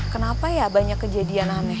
kenapa ya banyak kejadian aneh